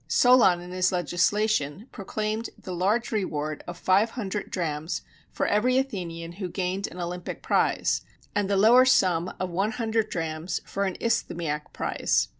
Solon in his legislation proclaimed the large reward of 500 drams for every Athenian who gained an Olympic prize, and the lower sum of 100 drams for an Isthmiac prize.